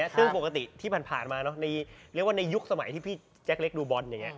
ซึ่งปกติที่ผ่านมาเนาะเรียกว่าในยุคสมัยที่พี่แจ๊กเล็กดูบอล